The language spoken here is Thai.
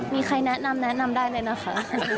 มีใครแนะนำได้เลยนะคะ